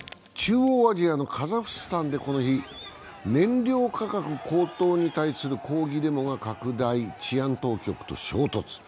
中央アジアのカザフスタンでこの日、燃料価格高騰に対する抗議デモが拡大、治安当局と衝突。